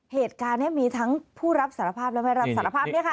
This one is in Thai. เหตุการณ์นี้มีทั้งผู้รับสารภาพและไม่รับสารภาพเนี่ยค่ะ